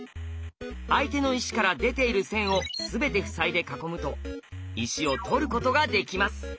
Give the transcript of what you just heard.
相手の石から出ている線を全て塞いで囲むと石を取ることができます。